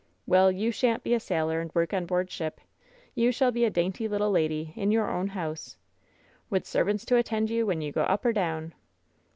Well, you shan't be a sailor and work on board ship! You shall be a dainty little lady in your own house: " ^ith servants to attend you When you go up or down.'